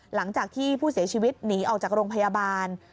หลังจากที่ผู้เสียชีวิตหนีออกจากโรงพยาบาล